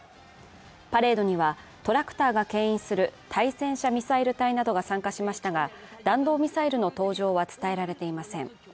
パレードにはトラクターがけん引する対戦車ミサイル隊などが参加しましたが弾道ミサイルの登場は伝えられていません。